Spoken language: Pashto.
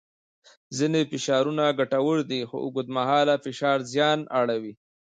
ځینې فشارونه ګټور دي خو اوږدمهاله فشار زیان اړوي.